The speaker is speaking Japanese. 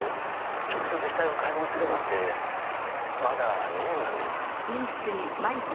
直接死体を解剖するようになってまだ２年なんです」ええ？